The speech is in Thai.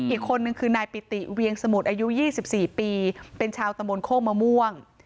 อีกคนนึงคือนายปิติเวียงสมุทรอายุ๒๔ปีเป็นชาวตำบลโคกมะม่วง